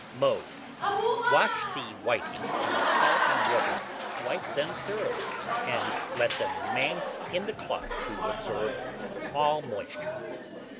Mode. Wash the whiting in salt and water, wipe them thoroughly, and let them remain in the cloth to absorb all moisture.